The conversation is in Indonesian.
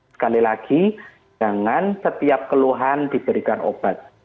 sekali lagi jangan setiap keluhan diberikan obat